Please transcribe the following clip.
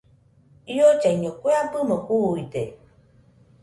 Iollaiño kue abɨmo juuide.